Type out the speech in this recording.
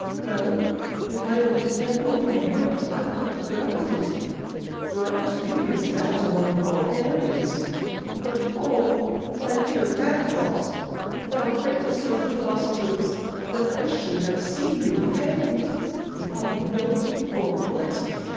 Well, if I had been only whipped I could put up with it, for I experienced that among the Bulgarians; but oh, my dear Pangloss! thou greatest of philosophers, that I should have seen you hanged, without knowing for what!